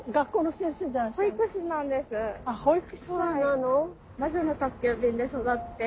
あっ保育士さんなの？